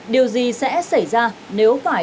điều gì sẽ xảy ra nếu phải